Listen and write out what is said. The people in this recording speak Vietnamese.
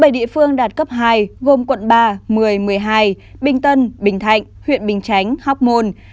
bảy địa phương đạt cấp hai gồm quận ba một mươi một mươi hai bình tân bình thạnh huyện bình chánh hóc môn